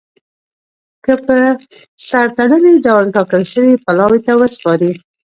کي په سر تړلي ډول ټاکل سوي پلاوي ته وسپاري.